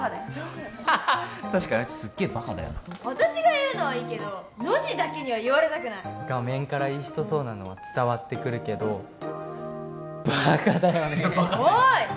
ふははっ確かにあいつすげえバカだよな私が言うのはいいけどノジだけには言われたくない画面からいい人そうなのは伝わってくるけどバカだよねおいっ！